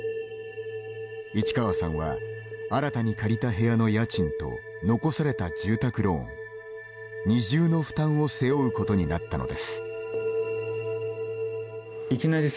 市川さんは、新たに借りた部屋の家賃と残された住宅ローン二重の負担を背負うことになったのです。